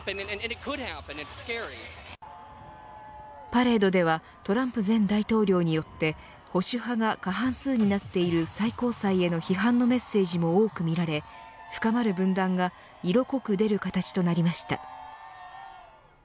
パレードではトランプ前大統領によって保守派が過半数になっている最高裁への批判のメッセージも多く見られ深まる分断が色濃く出る形となりました。